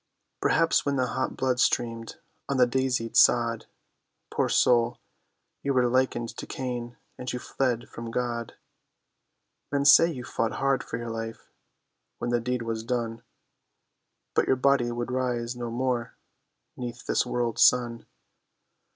Perhaps when the hot blood streamed on the daisied sod, Poor soul, you were likened to Cain, and you fled from God; Men say you fought hard for your life, when the deed was done; But your body would rise no more 'neath this world's sun.